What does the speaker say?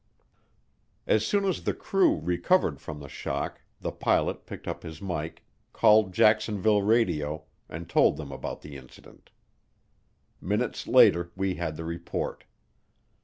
As soon as the crew recovered from the shock, the pilot picked up his mike, called Jacksonville Radio, and told them about the incident. Minutes later we had the report.